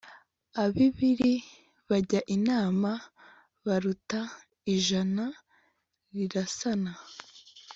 abibiri bajya inama baruta ijana rirasana